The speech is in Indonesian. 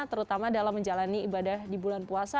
terutama dalam menjalani ibadah di bulan puasa